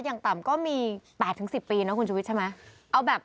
อย่างต่ำก็มี๘๑๐ปีนะคุณชุวิตใช่ไหม